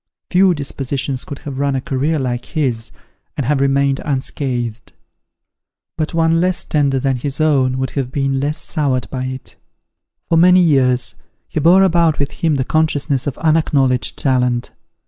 Few dispositions could have run a career like his, and have remained unscathed. But one less tender than his own would have been less soured by it. For many years, he bore about with him the consciousness of unacknowledged talent.